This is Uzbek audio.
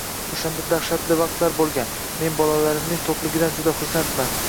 O'shanda dahshatli vaqtlar bo'lgan, men bolalarimning to'qligidan juda xursandman.